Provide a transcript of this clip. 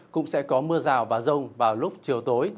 cũng sẽ có mưa rào và rông vào lúc chiều tối